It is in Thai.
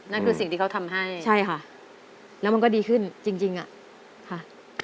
นั่นคือสิ่งที่เขาทำให้ใช่ค่ะแล้วมันก็ดีขึ้นจริงอ่ะค่ะ